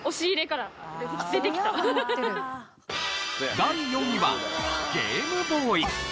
第４位はゲームボーイ。